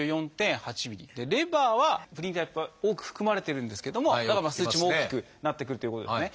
でレバーはプリン体やっぱ多く含まれてるんですけどもだからまあ数値も大きくなってくるということですね。